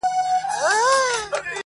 په زېور د علم و پوهي یې سینګار کړﺉ,